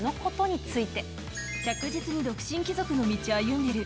着実に独身貴族の道歩んでる。